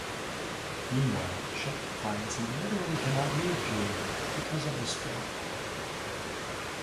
Meanwhile, Shep finds he literally cannot leave Gillian, because of the spell.